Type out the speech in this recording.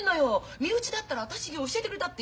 身内だったら私に教えてくれたっていいでしょう！